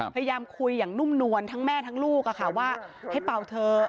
พยายามคุยอย่างนุ่มนวลทั้งแม่ทั้งลูกว่าให้เป่าเถอะ